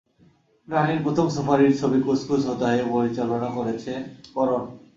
রানীর প্রথম সুপারহিট ছবি কুছ কুছ হোতা হ্যায় পরিচালনা করেছেন করন।